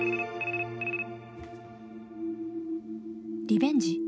リベンジ？